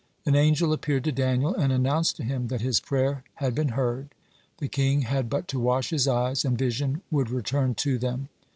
An angel appeared to Daniel, and announced to him that his prayer had been heard. The king had but to wash his eyes, and vision would return to them.